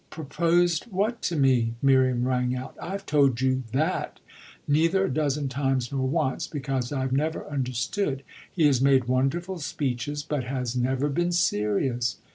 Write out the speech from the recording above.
"Proposed what to me?" Miriam rang out. "I've told you that neither a dozen times nor once, because I've never understood. He has made wonderful speeches, but has never been serious."